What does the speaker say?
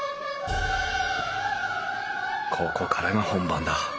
ここからが本番だ。